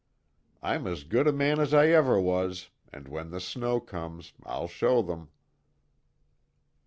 I'm as good a man as I ever was, and when the snow comes I'll show them."